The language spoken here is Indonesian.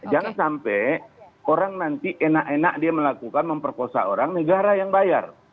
jangan sampai orang nanti enak enak dia melakukan memperkosa orang negara yang bayar